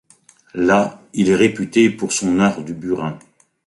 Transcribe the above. Là, il est réputé pour son art du burin.